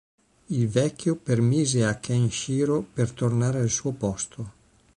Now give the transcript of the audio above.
Il vecchio permise a Kenshiro per tornare al suo posto.